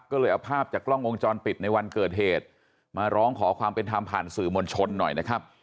ก็เลยเอาภาพจากกล้องวงจรปิดในวันเกิดเหตุมาร้องขอความเป็นธรรมผ่านสื่อมวลชนหน่อยนะครับ